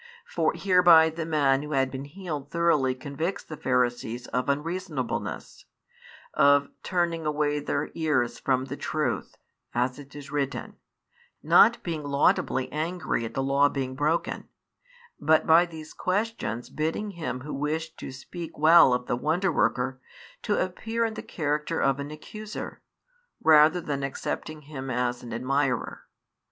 For hereby the man who had been healed thoroughly convicts the Pharisees of unreasonableness, of turning away their ears from the truth, as it is written, not being laudably angry at the law being broken, but by these questions bidding him who wished to speak well of the Wonder worker to appear in the character of an accuser, rather than accepting him as an admirer.